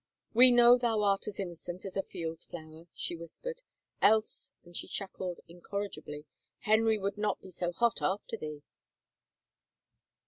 " We know thou art as innocent as a field flower," she whispered, " else," and she chuckled incorrigibly, " Henry would not be so hot after thee."